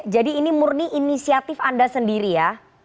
jadi ini murni inisiatif anda sendiri ya